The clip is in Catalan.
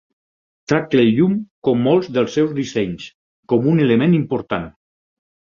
Tracta la llum, com molts dels seus dissenys, com un element important.